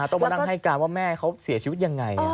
ต้องมานั่งให้การว่าแม่เขาเสียชีวิตยังไง